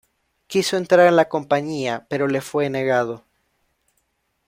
Quiso entrar a la Compañía, pero le fue negado.